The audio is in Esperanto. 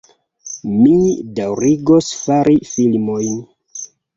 Mi daŭrigos fari filmojn